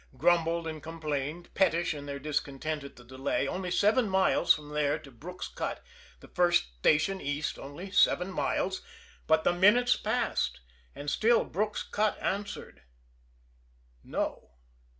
grumbled and complained, pettish in their discontent at the delay, only seven miles from there to Brook's Cut, the first station east only seven miles, but the minutes passed, and still Brook's Cut answered: "No."